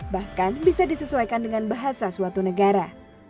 bahkan bisa disesuaikan dengan bahasa suatu negara